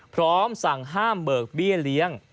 พร้อมสั่งห้ามเบิกเบี้ยเลี้ยง